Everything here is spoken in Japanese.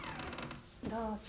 どうぞ。